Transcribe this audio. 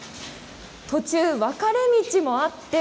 途中分かれ道もあって